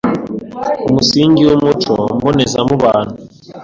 umusingi w’umuco mbonezamubano